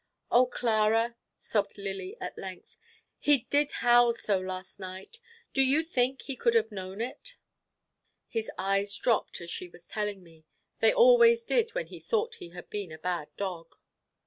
"Oh, Clara," sobbed Lily at length, "he did howl so last night. Do you think he could have known it?" His eyes dropped, as she was telling me. They always did, when he thought he had been a bad dog.